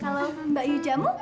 kalau mbak yu jamu